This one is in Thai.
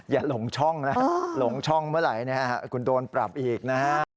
หลงช่องนะหลงช่องเมื่อไหร่นะฮะคุณโดนปรับอีกนะฮะ